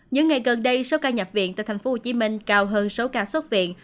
những ngày gần đây số ca nhập viện tại tp hcm cao hơn số ca xuất viện